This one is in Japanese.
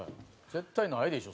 絶対ないでしょ。